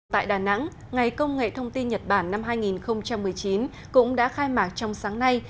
tại đà nẵng ngày công nghệ thông tin nhật bản năm hai nghìn một mươi chín cũng đã khai mạc trong sáng nay